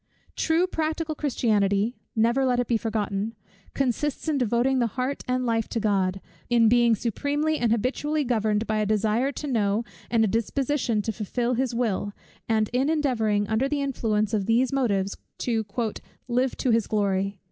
True practical Christianity (never let it be forgotten) consists in devoting the heart and life to God; in being supremely and habitually governed by a desire to know, and a disposition to fulfil his will, and in endeavouring under the influence of these motives to "live to his glory."